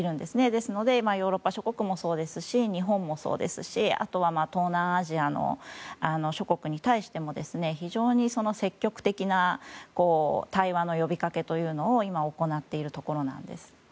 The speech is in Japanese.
ですのでヨーロッパ諸国もそうですし日本もそうですしあとは東南アジア諸国に対しても非常に積極的な対話の呼びかけというのを今、行っているところなんです。